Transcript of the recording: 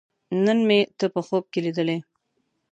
نن مې ته په خوب کې لیدلې